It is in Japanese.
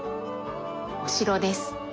お城です。